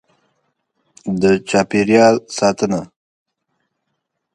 . د چاپېریال ساتنه: